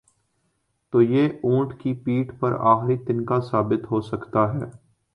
تو یہ اونٹ کی پیٹھ پر آخری تنکا ثابت ہو سکتا ہے۔